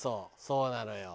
そうなのよ。